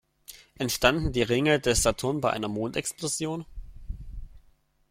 Entstanden die Ringe des Saturn bei einer Mondexplosion?